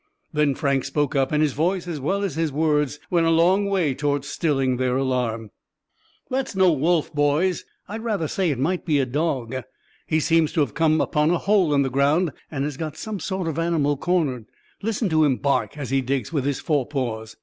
Then Frank spoke up, and his voice, as well as his words, went a long way toward stilling their alarm. "That's no wolf, boys; I'd rather say it might be a dog. He seems to have come upon a hole in the ground, and has got some sort of animal cornered. Listen to him bark as he digs with his forepaws!"